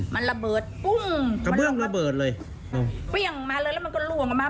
มันระเบิดปุ้งกระเบื้องระเบิดเลยมึงมาเลยมันก็ล่วงมา